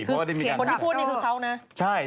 เพราะว่าที่พูดนี่คือเขานะ